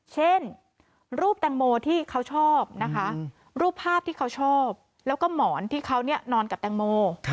เช่นรูปแตงโมที่เขาชอบนะคะรูปภาพที่เขาชอบแล้วก็หมอนที่เขานอนกับแตงโม